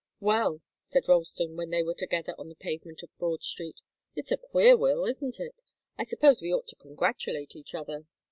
"Well," said Ralston, when they were together on the pavement of Broad Street, "it's a queer will, isn't it? I suppose we ought to congratulate each other."